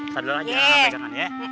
sadel aja pegangan ya